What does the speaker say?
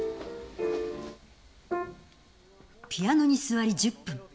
ピアノに座り１０分。